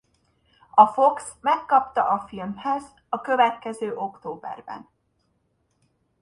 A Fox megkapta a filmhez a következő októberben.